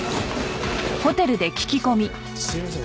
すいません